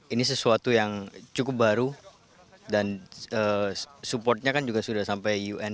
ini sesuatu yang cukup baru dan supportnya kan juga sudah sampai un